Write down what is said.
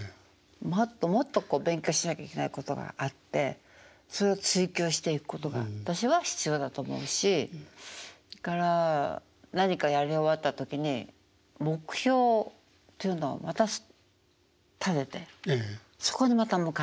もっともっと勉強しなきゃいけないことがあってそれを追求していくことが私は必要だと思うしそれから何かやり終わった時に目標っていうのをまた立ててそこにまた向かっていく。